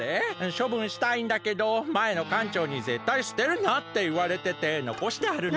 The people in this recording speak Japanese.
しょぶんしたいんだけどまえのかんちょうに「ぜったいすてるな」っていわれててのこしてあるの。